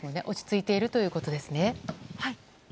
落ち着いているということですね。